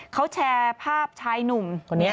เขาแชร์ภาพชายหนุ่ม